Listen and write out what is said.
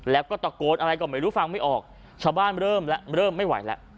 แล้วก็ตะโกนอะไรก็ไม่รู้ฟังไม่ออกชาวบ้านเริ่มแล้วเริ่มไม่ไหวแล้ว